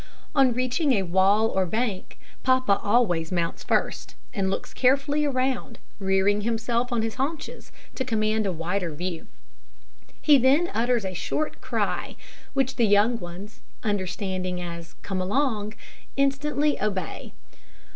On reaching a wall or bank, papa always mounts first, and looks carefully around, rearing himself on his haunches to command a wider view. He then utters a short cry, which the young ones, understanding as "Come along!" instantly obey.